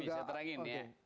gini saya terangin ya